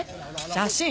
写真！